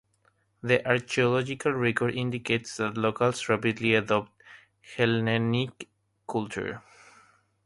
The archaeological record indicates that locals rapidly adopted Hellenic culture.